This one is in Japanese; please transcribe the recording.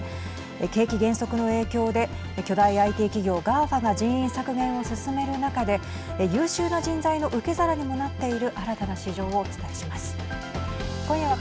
景気減速の影響で巨大ＩＴ企業ＧＡＦＡが人員削減を進める中で優秀な人材の受け皿にもなっている